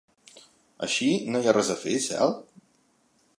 Així no hi ha res a fer, Cel?